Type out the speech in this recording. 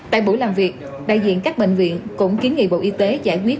tại buổi làm việc đại diện các bệnh viện cũng kiến nghị bộ y tế giải quyết